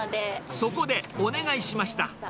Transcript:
そこでお願いしました。